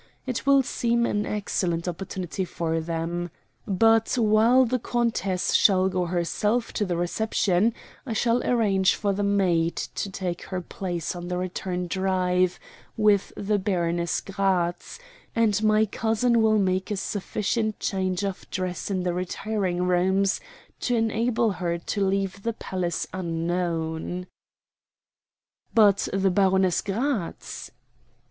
It will seem an excellent opportunity for them. But while the countess shall go herself to the reception, I shall arrange for the maid to take her place on the return drive with the Baroness Gratz, and my cousin will make a sufficient change of dress in the retiring rooms to enable her to leave the palace unknown." "But the Baroness Gratz?"